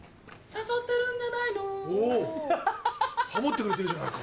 誘ってるんじゃないの